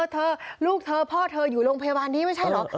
เธอลูกเธอพ่อเธออยู่โรงพยาบาลนี้ไม่ใช่เหรอ